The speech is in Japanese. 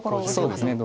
そうですね。